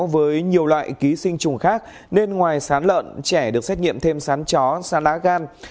với nhiều loại ký sinh trùng khác nên ngoài sán lợn trẻ được xét nghiệm thêm sắn chó sán lá gan